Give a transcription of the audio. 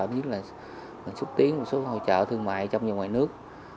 như là mình xúc tiến một số hỗ trợ thương mại trong và ngoài nước